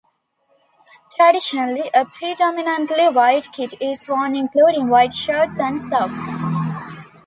Traditionally a predominantly white kit is worn including white shorts and socks.